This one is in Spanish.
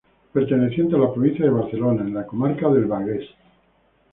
Perteneciente a la provincia de Barcelona, en la comarca del Bages.